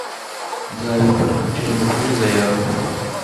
Nzabikora nkurikije amabwiriza yawe